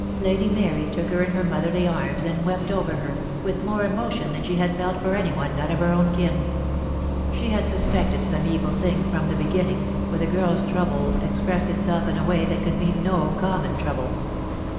Lady Mary took her in her motherly arms and wept over her, with more emotion than she had felt for anyone not of her own kin. She had suspected some evil thing from the beginning, for the girl's trouble expressed itself in a way that could mean no common trouble.